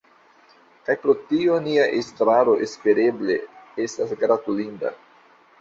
Kaj pro tio nia estraro espereble estas gratulinda.